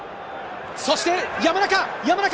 そして山中。